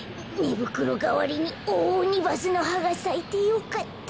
ぶくろがわりにオオオニバスのはがさいてよかった。